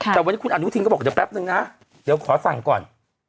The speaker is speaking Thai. แต่วันนี้คุณอนุทินก็บอกเดี๋ยวแป๊บนึงนะเดี๋ยวขอสั่งก่อน